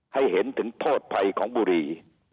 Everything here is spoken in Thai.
ให้เห็นถึงโทษภัยของบุรี